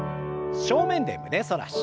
正面で胸反らし。